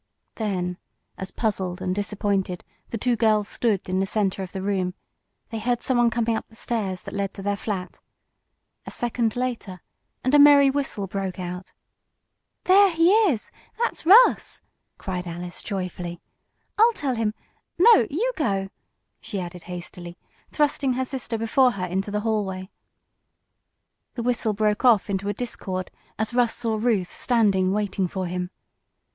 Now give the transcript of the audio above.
Then, as puzzled and disappointed, the two girls stood in the center of the room, they heard someone coming up the stairs that led to their flat. A second later and a merry whistle broke out. "There he is that's Russ!" cried Alice, joyfully. "I'll tell him; no you go!" she added hastily, thrusting her sister before her into the hallway. The whistle broke off into a discord as Russ saw Ruth standing waiting for him.